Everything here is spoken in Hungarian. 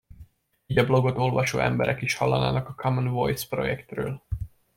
Így a blogot olvasó emberek is hallanának a Common Voice projektről.